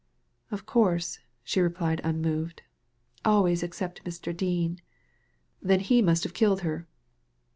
''Of course," she replied unmoved, "always except Mr. Dean." "Then he must have killed her."